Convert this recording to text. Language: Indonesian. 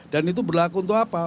dan itu berlaku untuk apa